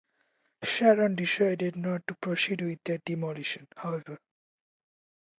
Sharon decided not to proceed with their demolition, however.